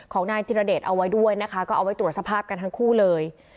ของนายจิรเดชเอาไว้ด้วยนะคะก็เอาไว้ตรวจสภาพกันทั้งคู่เลย